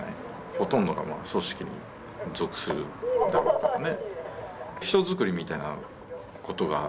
ほとんどが組織に属するだろうからね。